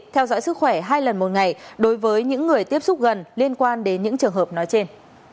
theo dõi sức khỏe hai lần một ngày đối với những người tiếp xúc gần liên quan đến những trường hợp nói trên